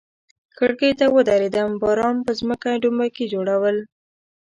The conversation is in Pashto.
کړکۍ ته ودریدم، باران پر مځکه ډومبکي جوړول.